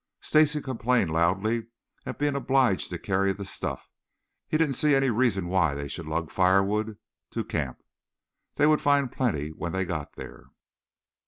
Stacy complained loudly at being obliged to carry the stuff. He didn't see any reason why they should lug firewood to camp. They would find plenty when they got there.